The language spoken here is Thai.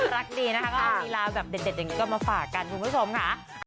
รักดีนะคะก็เอาลีลาแบบเด็ดอย่างนี้ก็มาฝากกันคุณผู้ชมค่ะ